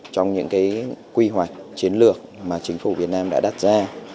trong những quy hoạch chiến lược mà chính phủ việt nam đã đặt ra